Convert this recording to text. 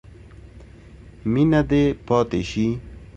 مینه دې پاتې شي.